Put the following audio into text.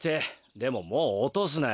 でももうおとすなよ。